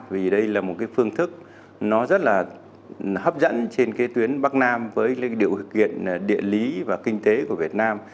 vì đây là một phương thức rất hấp dẫn trên tuyến bắc nam với điều kiện địa lý và kinh tế của việt nam